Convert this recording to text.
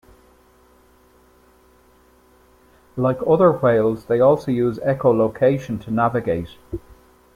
Like other whales, they also use echolocation to navigate.